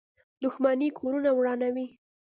• دښمني کورونه ورانوي.